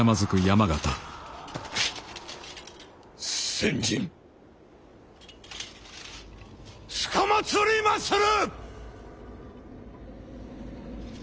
先陣つかまつりまする！